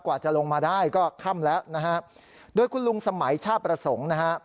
กว่าจะลงมาได้ก็ค่ำแล้วนะฮะโดยคุณลุงสมัยชาติประสงค์นะฮะ